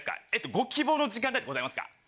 ご希望の時間帯ってございますか？